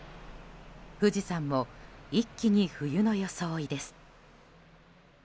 富士山も一気に冬の装いです。